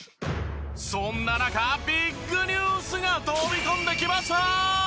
そんな中ビッグニュースが飛び込んできました！